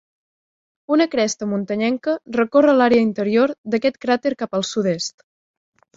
Una cresta muntanyenca recorre l'àrea interior d'aquest cràter cap al sud-est.